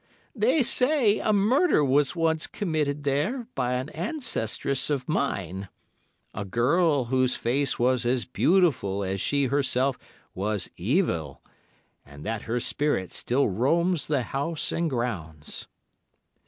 They say a murder was once committed there by an ancestress of mine, a girl whose face was as beautiful as she herself was evil, and that her spirit still roams the house and grounds."